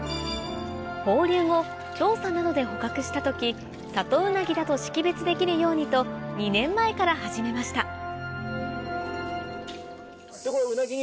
放流後調査などで捕獲した時里ウナギだと識別できるようにと２年前から始めました